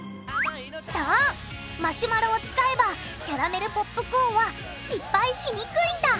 そうマシュマロを使えばキャラメルポップコーンは失敗しにくいんだ！